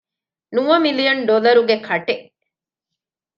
ނުވަ މިލިއަން ޑޮލަރުގެ ކަޓެއް؟